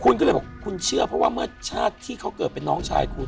คุณก็เลยบอกคุณเชื่อเพราะว่าเมื่อชาติที่เขาเกิดเป็นน้องชายคุณ